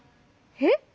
えっ？